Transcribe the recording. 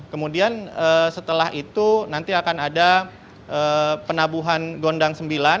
kemudian setelah itu nanti akan ada penabuhan gondang sembilan